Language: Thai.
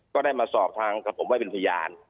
ก็ได้มาสอบทางกับผมไว้เป็นพยาน